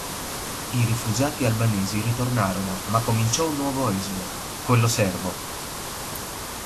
I rifugiati albanesi ritornarono ma cominciò un nuovo esodo, quello serbo.